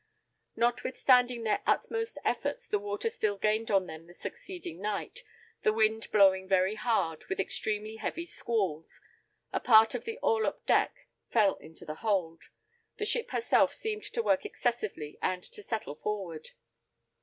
Notwithstanding their utmost efforts the water still gained on them the succeeding night, the wind blowing very hard, with extremely heavy squalls, a part of the orlop deck fell into the hold; the ship herself seemed to work excessively, and to settle forward.